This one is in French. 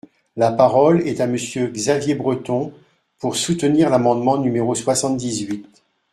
La parole est à Monsieur Xavier Breton, pour soutenir l’amendement numéro soixante-dix-huit.